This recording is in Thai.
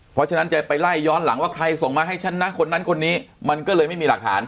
เพราะฉะนั้นจะไปไล่ย้อนหลังว่าใครส่งมาให้ฉันนะคนนั้นคนนี้มันก็เลยไม่มีหลักฐาน